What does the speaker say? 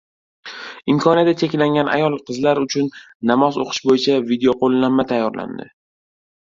Imkoniyati cheklangan ayol-qizlar uchun namoz o‘qish bo‘yicha videoqo‘llanma tayyorlandi